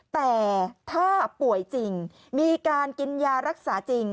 แต่ถ้าป่วยจริงมีการกินยารักษาจริง